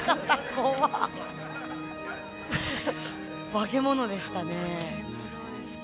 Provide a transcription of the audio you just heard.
化け物でしたね。